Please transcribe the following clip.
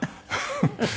フフフフ。